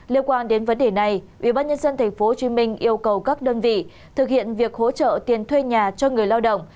liên quan đến vấn đề này ubnd tp hcm yêu cầu các đơn vị thực hiện việc hỗ trợ tiền thuê nhà cho người lao động